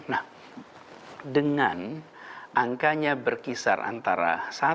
nah dengan angkanya berkisar antara satu